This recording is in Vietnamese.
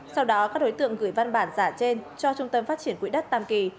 sau đó các đối tượng gửi văn bản giả trên cho trung tâm phát triển quỹ đất tam kỳ